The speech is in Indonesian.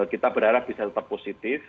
kita berharap bisa tetap positif